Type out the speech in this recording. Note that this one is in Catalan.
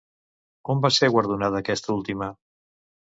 On va ser guardonada aquesta última?